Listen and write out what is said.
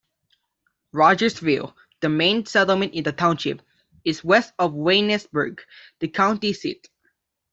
Rogersville, the main settlement in the township, is west of Waynesburg, the county seat.